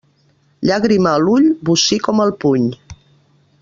Llàgrima a l'ull, bocí com el puny.